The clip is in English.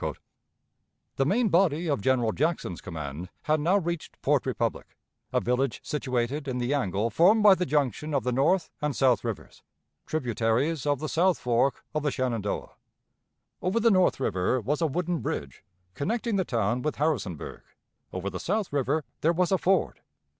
The main body of General Jackson's command had now reached Port Republic, a village situated in the angle formed by the junction of the North and South Rivers, tributaries of the South Fork of the Shenandoah. Over the North River was a wooden bridge, connecting the town with Harrisonburg. Over the South River there was a ford.